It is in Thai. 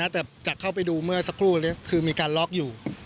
แต่จากเข้าไปดูเมื่อสักครู่คือมีการล็อกอยู่